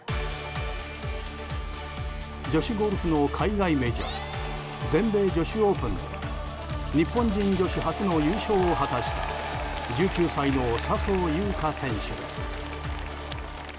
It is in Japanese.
女子ゴルフの海外メジャー全米女子オープンで日本人女子初の優勝を果たした１９歳の笹生優花選手です。